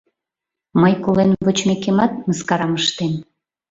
— Мый колен вочмекемат мыскарам ыштем.